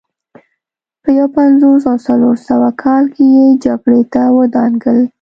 په یو پنځوس او څلور سوه کال کې یې جګړې ته ودانګل